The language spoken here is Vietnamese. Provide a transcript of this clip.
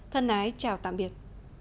thân ái chào tạm biệt